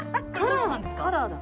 カラーだ